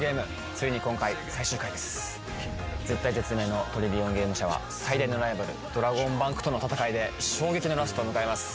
ついに今回最終回です絶体絶命のトリリオンゲーム社は最大のライバルドラゴンバンクとの戦いで衝撃のラストを迎えます